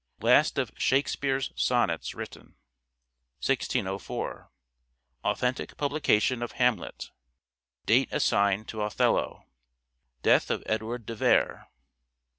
Last of " Shakespeare's " sonnets written. 1604. Authentic publication of " Hamlet." Date assigned to "Othello." Death of Edward de Vere.